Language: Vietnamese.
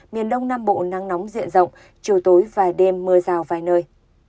miền đông nam bộ nắng nóng diện rộng chiều tối và đêm mưa rào vài nơi